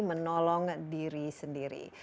menolong diri sendiri